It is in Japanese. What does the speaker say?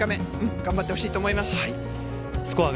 頑張ってほしいと思います。